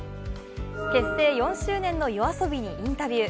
結成４周年のＹＯＡＳＯＢＩにインタビュー。